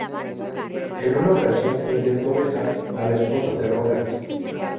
En una ocasión, intentó besar a la esposa de Roberts.